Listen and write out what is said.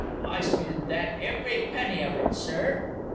I spend that every penny of it, Sir.